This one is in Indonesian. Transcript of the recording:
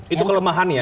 itu kelemahan ya